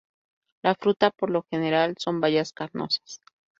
La fruta, por lo general son bayas carnosas.